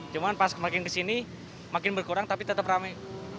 cuman pas makin kesini makin berkurang tapi tetap rame